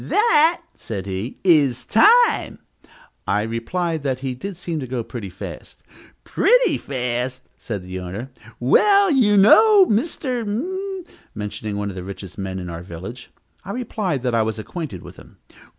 "That," said he, "is time." I replied that he did seem to go pretty fast. "Pretty fast!" said his owner. "Well, do you know Mr. ?" mentioning one of the richest men in our village. I replied that I was acquainted with him.